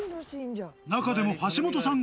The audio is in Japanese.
中でも橋本さん